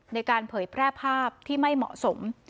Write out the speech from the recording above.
เผยแพร่ภาพที่ไม่เหมาะสม